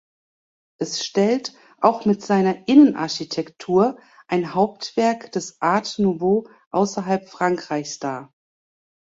Es stellt, auch mit seiner Innenarchitektur, ein Hauptwerk des „Art Nouveau“ außerhalb Frankreichs dar.